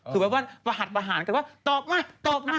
คือแบบว่าประหัสประหารกันว่าตอบไหมตอบนะ